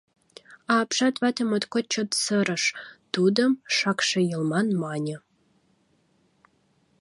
А апшат вате моткоч чот сырыш, тудым «шакше йылман» мане.